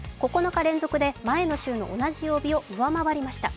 ９日連続で前の週の同じ曜日を上回りました。